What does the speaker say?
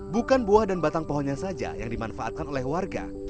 bukan buah dan batang pohonnya saja yang dimanfaatkan oleh warga